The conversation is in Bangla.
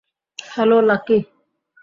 Hello, lucky?